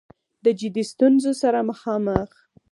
د جدي ستونځو سره مخامخ